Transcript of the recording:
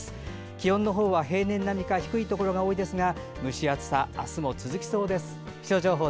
気温は平年並みか低いところが多いですが蒸し暑さは明日も続きそうです。